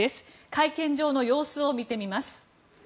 会見場の様子を見てみます。